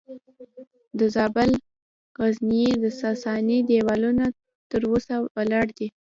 د زابل د غزنیې د ساساني دیوالونه تر اوسه ولاړ دي